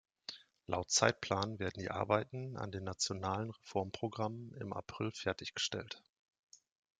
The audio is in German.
Laut Zeitplan werden die Arbeiten an den Nationalen Reformprogrammen im April fertiggestellt.